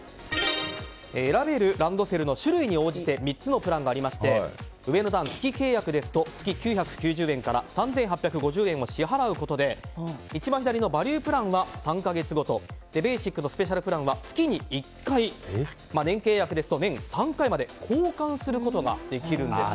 選べるランドセルの種類に応じて３つのプランがありまして上の段月契約ですと月９９０円から３８５０円を支払うことで一番左のバリュープランは３か月ごとベーシックとスペシャルプランは月に１回年契約ですと年３回まで交換することができるんです。